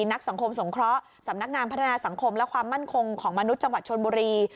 นักสังคมสงเคราะห์สำนักงานพัฒนาสังคมและความมั่นคงของมนุษย์จังหวัดชนบุรี